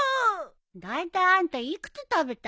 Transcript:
だいたいあんた幾つ食べた？